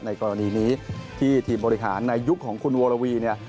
กรณีนี้ที่ทีมบริหารในยุคของคุณวรวีเนี่ย